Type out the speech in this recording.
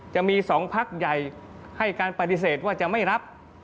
จะมี๒พักใหญ่ให้การปฏิเสธว่าจะไม่รับ